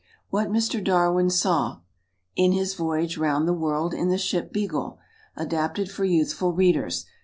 What Mr. Darwin Saw In his Voyage Round the World in the Ship "Beagle." Adapted for Youthful Readers.